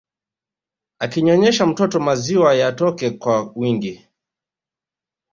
Akinyonyesha mtoto maziwa yatoke kwa wingi